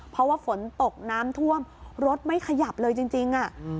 เพราะว่าฝนตกน้ำท่วมรถไม่ขยับเลยจริง